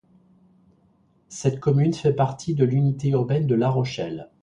Cette commune fait partie de l'unité urbaine de La Rochelle.